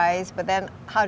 tapi bagaimana kemudian